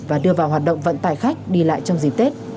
và đưa vào hoạt động vận tải khách đi lại trong dịp tết